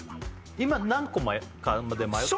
今何個かで迷ってるの？